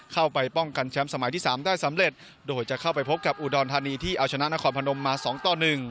เข้าไปป้องกันแชมป์สมัยที่สามได้สำเร็จโดยจะเข้าไปพบกับอุดรธานีที่เอาชนะนครพนมมาสองต่อหนึ่ง